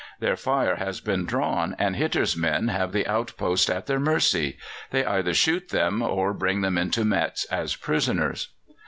Their fire has been drawn, and Hitter's men have the outpost at their mercy. They either shoot them or bring them into Metz as prisoners.